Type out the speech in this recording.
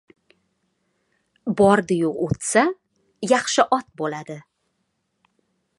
Bordi-yu o‘tsa, yaxshi ot bo‘ladi.